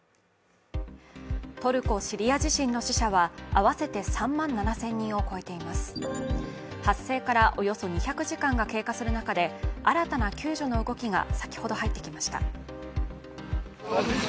トルコ・シリア地震の死者は合わせて３万７０００人を超えています発生からおよそ２００時間が経過する中で新たな救助の動きが先ほど入ってきました。